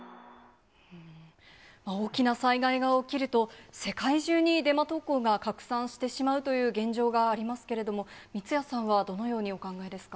大きな災害が起きると、世界中にデマ投稿が拡散してしまうという現状がありますけれども、三屋さんはどのようにお考えですか。